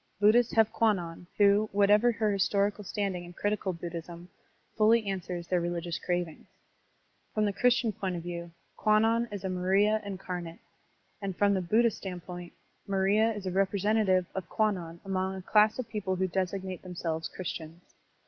Buddhists have Kwannon, who, whatever her historical standing in critical Buddhism, fully answers their religious cravings. From the Christian point of view, Kwannon is a Maria incarnate; and from the Buddhist standpoint, Maria is a represen tative of Kwannon among a class of people who designate themselves Christians.